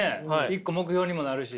一個目標にもなるし。